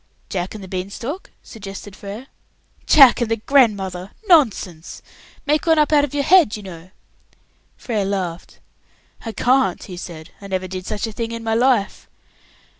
"'Jack and the Beanstalk'?" suggested Frere. "Jack and the grandmother! Nonsense. Make one up out of your head, you know." Frere laughed. "I can't," he said. "I never did such a thing in my life."